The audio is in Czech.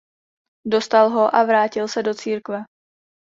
Dostal ho a vrátil se do církve.